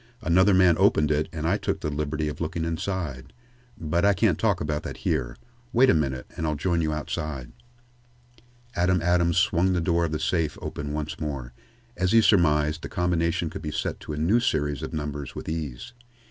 "Another man opened it and I took the liberty of looking inside. But I can't talk about that here. Wait a minute and I'll join you outside." Adam Adams swung the door of the safe open once more. As he surmised, the combination could be set to a new series of numbers with ease.